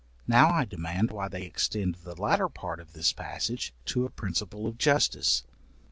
Now I demand why they extend the latter part of this passage to a principle of justice.